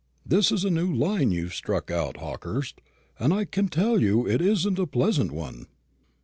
This is a new line you've struck out, Hawkehurst, and I can tell you it isn't a pleasant one."